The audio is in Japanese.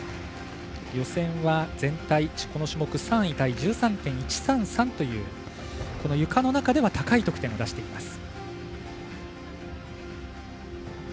予選は全体、この種目３位タイ１３．１３３というゆかの中では高い得点を出しています。